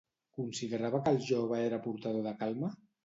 Considerava que el jove era portador de calma?